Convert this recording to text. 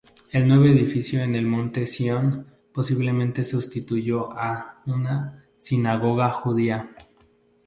El nuevo edificio en el monte Sion posiblemente sustituyó a una sinagoga judía.